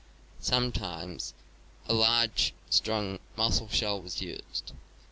Sometimes a large, strong mussel shell was used.